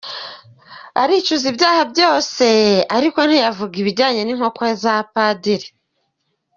Aricuza ibyaha byoseee , ariko ntiyavuga ibijyanye n' inkoko za Padiri.